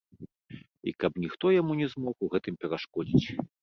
І каб ніхто яму не змог у гэтым перашкодзіць.